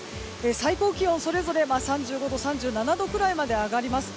最高気温、それぞれ３５度３７度くらいまで上がります。